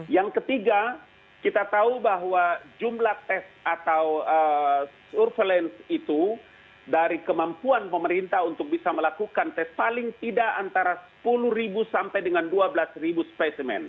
yang ketiga kita tahu bahwa jumlah tes atau surveillance itu dari kemampuan pemerintah untuk bisa melakukan tes paling tidak antara sepuluh sampai dengan dua belas spesimen